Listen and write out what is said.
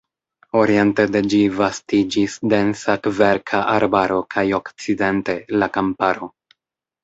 Oriente de ĝi vastiĝis densa kverka arbaro kaj okcidente – la kamparo.